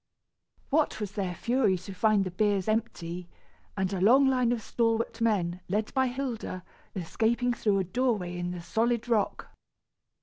What was their fury to find the biers empty, and a long line of stalwart men, led by Hilda, escaping through a doorway in the solid rock!